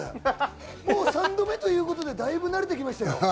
もう３度目ということで、だいぶ慣れてきましたよ！